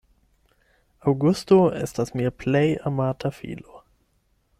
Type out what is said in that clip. Aŭgusto estas mia plej amata filo.